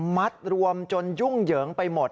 มัดรวมจนยุ่งเหยิงไปหมด